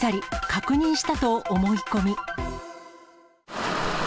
確認したと思い込み。